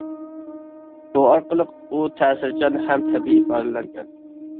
بۇ ئارقىلىق ئۇ تەسىرچان ھەم تەبىئىي ئىپادىلەنگەن.